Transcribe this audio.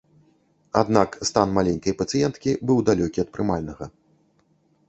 Аднак стан маленькай пацыенткі быў далёкі ад прымальнага.